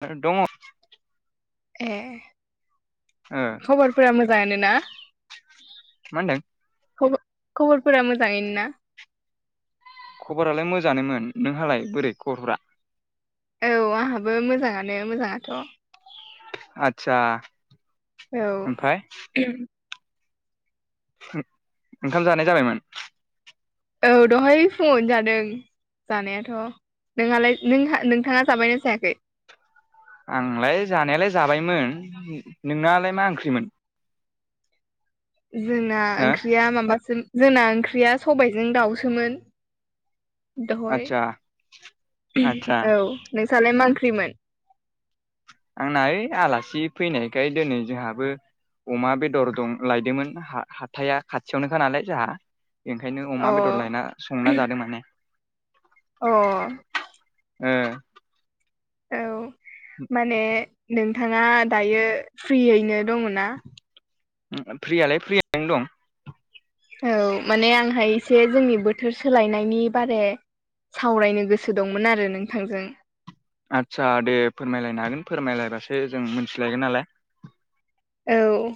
[unintelligible] दङ ए मा खबरफोरा मोजांआनो ना? मा होन्दों? खब खबरफोरा मोजाङैनो ना? खबरालाय मोजाङानोमोन नोंहालाय बोरै खबरफ्रा? औ आहाबो मोजाङानो मोजाङाथ'। आदसा। औ ओमफ्राय आहम ओंखाम जानाय जाबायमोन? औ दहाय फुङावनो जादों। जानायाथ' नोंहालाय नोंहा नोंथाङा जाबायना जायाखै? आंलाय जानायालाय जाबायमोन नोंनालाय मा ओंख्रिमोन? जोंना हो ओंख्रिया माबासो जोंना ओंख्रिया सबायाइजों दाउसोमोन। दहय आदसा आदसा उहम औ नोंसालाय मांख्रिमोन? आंना ओइ आलासि फैनायखाय दिनै जोंहाबो। अमा बेदर दं लायदोंमोन हाहाथाइआ खाथियावनोखा नालाय जोंहा। बेखायनो अमा अ बेदर लायना संना जादों माने। अ। ओ। औ माने नोंथाङा दायो फ्रियैनो दङ ना? फ्रियालाय फ्रियनो दं। औ माने आंहा एसे जोंनि बोथोर सोलायनायनि बारे। सावरायनो गोसो दंमोन आरो नोंथांजों। आतसा दे फोरमायलायनो हागोन फोरमायलायबासो जों मिथिलायगोन नालाय। औ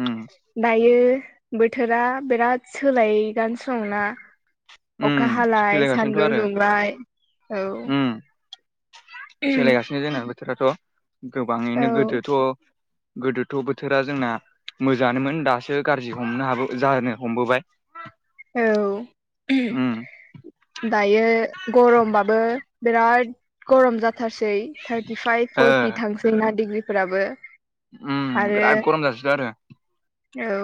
उम दायो बोथोरा बिराद सोलायगासिनो दंना? अखा उम हालाय सोलायगासिनोथ' सान्दुं आरो दुंलाय औ [unintelligible] बिदिनो जोंना बोथोराथ' औ गोबाङैनो गोदोथ' गोदोथ' बोथोरा जोंना मोजांङानोमोन दासो गाज्रि हमनो हाबो जानो हमबोबाय। औ उह उम दायो गरमबाबो बिराद गरम जाथारसै थार्टिफाइभ ओ फरटि थांसै जोंना डिग्रिफोराबो उम आरो बिराद गरम जासोदों आरो औ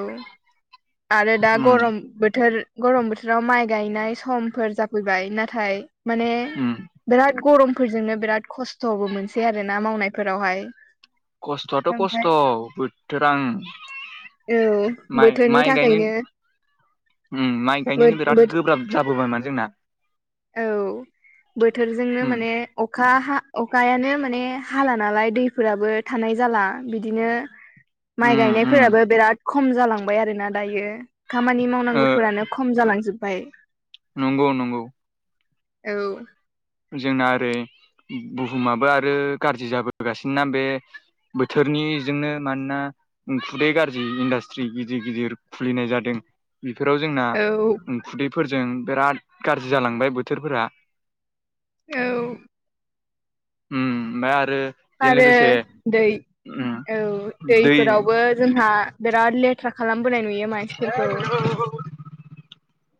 आरो दा उम गरम बोथोर गरम बोथोराव माइ गायनाय समफोर जाफैबाय नाथाय माने उम बिराद गरमफोरजोंनो बिराद खस्थ'बो मोनसै आरो ना मावनायफोरावहाय खस्थ'आथ' खस्थ' ओमफ्राय बोथोर उम औ बोथोरनि थाखायनो उम माइ गायनोनो बिराद बो-बोथ गोब्राब जाबोबाय माने जोंना औ बोथोरजोंनो उम माने अखा हा अखायानो माने हाला नालाय दैफोराबो थानाय जाला बिदिनो माइ उम उम गायनायफोराबो बिराद खम जालांबाय आरोना दायो खामानि ओ मावनांगौफोरानो खम खम जालांजोबबाय। नंगौ नंगौ। औ। जोंना ओरै बुहुमाबो आरो गाज्रि जाबोगासिनो ना बे बोथोरनिजोंनो मानोना उखुदै गाज्रि इन्डास्ट्रि गिदिर गिदिर खुलिनाय जादों। बेफोराव जोंना औ उ खुदैफोरजों बिराद गाज्रि जालांबाय बोथोरफोरा। औ। उम ओमफाय आरो बेजों आरो लोगोसे दै उम औ दै दैफोरावबो जोंहा बिराद लेथ्रा खालामबोनाय नुयो मानसिफोरखौ।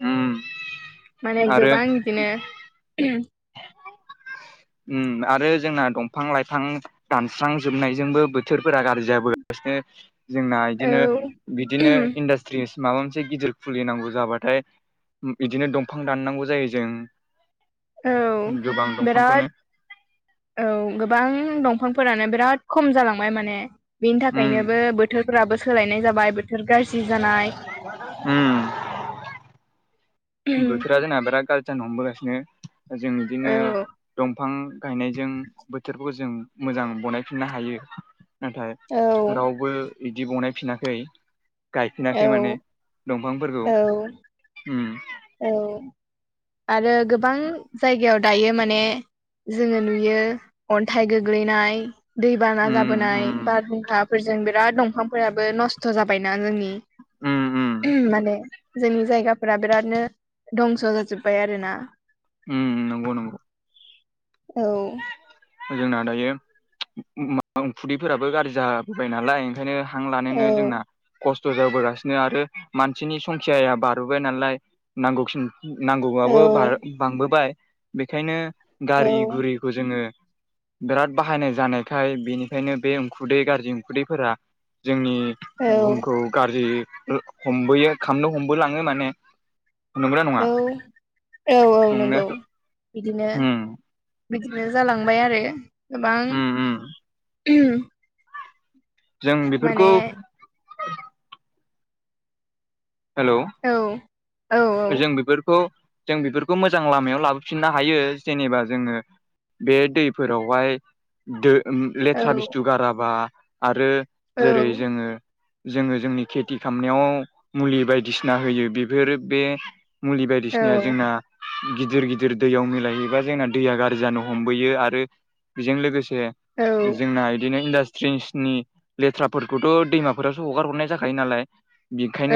उम माने आरो गोबां बिदिनो उम आरो जोंना दंफां-लाइफां दानस्रांजोबनायजोंबो बोथोरफोरा गाज्रि जाबोगासिनो जोंना औ इदिनो बिदिनो इन्डास्ट्रिस माबा मोनसे गिदिर खुलिनांगौ जाबाथाय बिदिनो दंफां दाननांगौ जायो औ जों गोबां बिराद दंफांखोनो औ गोबां दंफांफोरानो बिराद खम जालांबाय माने बेनि उम थाखायनोबो बोथोरफोराबो सोलायनाय जाबाय बोथोर गाज्रि जानाय उम बोथोरा जोंना बिराद गाज्रि जानो हमबोगासिनो जों बिदिनो औ दंफां गायनायजों बोथोरखौ जों मोजां बनायफिननो हायो। नाथाय औ रावबो बिदि बनाय फिनाखै। औ गायफिनाखै माने दंफांफोरखौ, औ उम औ। आरो गोबां जायगायाव दायो माने जोंङो नुयो अन्थाइ गोग्लैनाय दैबाना उम जाबोनाय उम बारहुंखाफोरजों बिराद दंफांफोराबो नस्थ' जाबायना जोंनि उम उम माने जोंनि जायगाफोरा बिरादनो दंस' जाजोब बाय आरोना उम नंगौ नंगौ। औ। जोंना दायो फुदैफोराबो गाज्रि जा बाय नालाय ओंखायनो हां औ लानोनो जोंना खस्थ' जाबोगासिनो आरो मानसिनि संखियाया बांबोबाय नालाय नांगौखिनि औ नांगौबाबो बांबोबाय। बेखायनो औ गारि गुरिखौ जोङो बिराद बाहायनाय जानायखाय बेनिखायनो बे उखुनदै गाज्रि उखुदैफोरा जोंनि औ बुहुमखौ गाज्रि हमबोयो खामनो हमबोलाङो माने। नंगौना नङा औ औ औ नंगौ। नंनायाथ' बिदिनो उम बिदिनो जालांबाय आरो गोबां उम उम जों माने बेफोरखौ हेल'। औ। औ जों बेफोरखौ जों बेफोरखौ मोजां लामायाव लाबोफिननो हायो जेनेबा जोङो बे दैफोरावहाय लेथ्रा औ बुस्थु गाराबा आरो जेरै औ जोङो जोङो जोंनि खेथि खालामामनायाव मुलि बायदिसिना होयो। बेफोरो बे मुलि बायदिसिनाया औ जोंना- गिदिर गिदिर दैयाव मिलायहैबा जोंना दैया गाज्रि जानो हमबोयो आरो बेजों लोगोसे औ जोंना बिदिनो इन्डास्ट्रि नि लेथ्राफोरखौथ' दैमाफोरावसो हगार हरनाय जाखायो नालाय।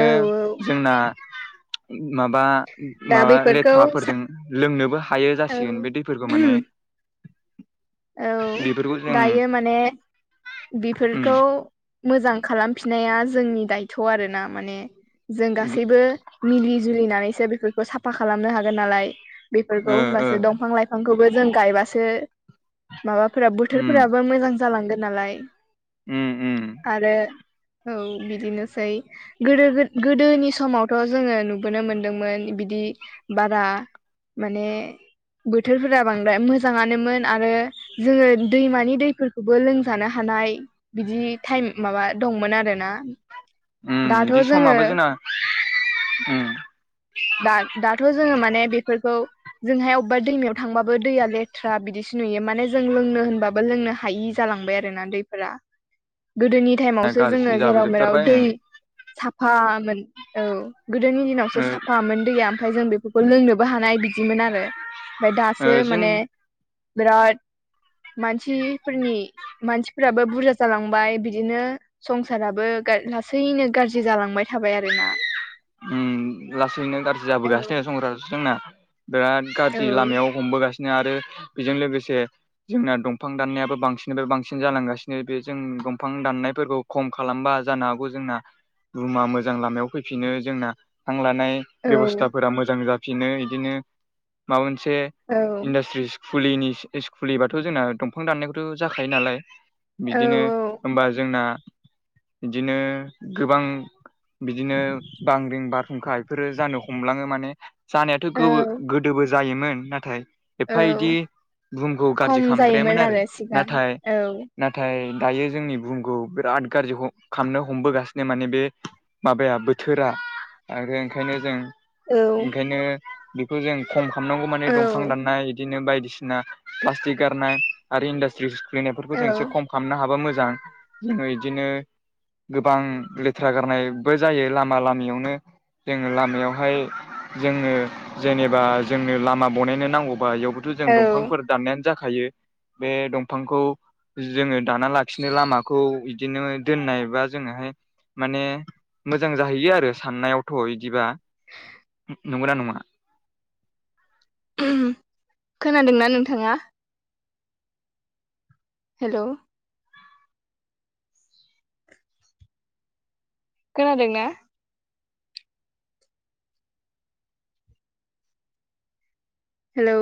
औ औ जोंना माबा दा माबा बेफोरखौ सा लेथ्राफोरजों लोंनोबो हायो औ जासिगोन बे दैफोरखौ माने। औ। बेफोरखौ जों दायो माने उम बेफोरखौ मोजां खालामफिननाया जोंनि दायथ' आरोना माने। जों गासैबो मिलि जुलिनानैसो बेफोरखौ साफा खालामनो हागोन नालाय। बेफोरखौ ओ ओ होनबासो दंफां लाइफांखौबो जों गायबासो माबाफोरा उम बोथोरफोराबो मोजां जालांगोन नालाय। उम उम। आरो औ बिदिनोसै गोदो गोदोनि समावथ' जोङो नुबोनो मोनदोंमोन बिदि बारा माने बोथोरफोरा बांद्राय मोजाङानोमोन। आरो जोङो दैमानि दैफोरखौबो लोंजानो हानाय बिदि टाइम माबा दंमोन आरोना। दाथ' बिदि जोङो समाबो जोंना दा दाथ' जोङो माने बेफोरखौ जोंहाय अबेबा दैमायाव थांबाबो दैया लेथ्रा बिदिसो नुयो। माने जों लोंनो होनबाबो लोंनो हायि जालांबाय आरोना दैफोरा गोदोनि टाइमावसो जोङो गाज्रि जेराव मेराव जाबोजोबथारबाय दै साफामोन औ गोदोनि दिनावसो ओ साफा साफामोन दैया ओमफ्राय जों बेफोरखौ लोंनोबो हानाय बिदिमोन आरो ओमफफ्राय ओ दासो जों माने बिराद मानसिफोरनि मानसिफोराबो बुरजा जालांबाय। बिदिनो संसाराबो लासैनो गाज्रि जालांबाय थाबाय आरोना। उम लासैनो गाज्रि औ जाबोगासिनो संसारा जोंना बिराद औ गाज्रि लामायाव हमबोगासिनो आरो बेजों लोगोसे जोंना दंफां दाननायाबो बांसिननिफ्राय बांसिन जालांगासिनो बे जों दंफां दाननायफोरखौ खम खालामबा जानो हागौ जोंना रुमा मोजां लामायाव फैफिनो। जोंना हां लानाय बेब'स्थाफोरा मोजां जाफिनो। बिदिनो माबा मोनसे औ इन्डासट्रिस खुलिनि खुलिबाथ' जोंना दंफां दाननायखौथ' जाखायो नालाय बिदिनो औ होनबा जोंना बिदिनो गोबां बिदिनो बांग्रिं बारहुंखा बेफोरो जानो हमलाङो माने जानायाथ' औ गो-गोदोबो जायोमोन नाथाय एफा इदि औ बुहुमखौ खम गाज्रि जायोमोन खालामद्रायामोन आरो सिगां नाथाय औ नाथाय दायो जोंनि बुहुमखौ बिराद गाज्रि ह' खालामनो हमबोगासिनो माने बे माबाया बोथोरा आरो ओंखायनो जों औ ओंखायनो बेखौ जों खम खालामनांगौ माने औ दंफां दाननाय इदिनो बायदिसिना प्लास्टिक गारना आरो इन्डास्ट्रिस खुलिनायफोरखौ औ जों एसे खम खामनो हाबा मोजां जोङो इदिनो गोबां लेथ्रा गारनायबो जायो ला मा लामियावनो। जोङो लामायावहाय जोंनो जेनेबा जोंनो लामा बानायनो नांगौबा एयाव बोथ' जों औ दंफांफोर दानायानो जाखायो बे दंफांखौ जोङो दाना लाखिनो लामाखौ बिदिनो दोननाय बा जोंनोहाय माने मोजां जाहैयो आरो साननायावथ' इदिबा नंगौना नङा? [unintelligible] खोनादोंना नोंथाङा? हेल'। खोनादोंना? हेलौ।